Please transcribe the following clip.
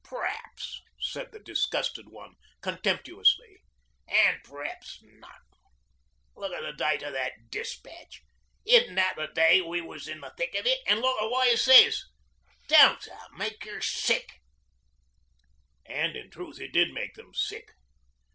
'P'raps,' said the disgusted one contemptuously, 'an' p'raps not. Look at the date of that despatch. Isn't that for the day we was in the thick of it? An' look what it says. Don't that make you sick?' And in truth it did make them 'sick.'